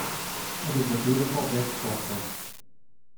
It is a beautiful brick structure.